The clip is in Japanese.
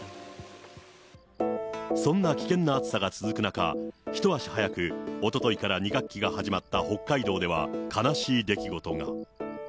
そんな危険な暑さが続く中、一足早くおとといから２学期が始まった北海道では、悲しい出来事が。